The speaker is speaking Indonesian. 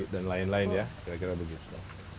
dan lain lain ya